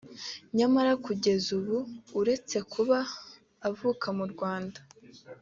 nyamara kugeza ubu uretse kuba avuka mu Rwanda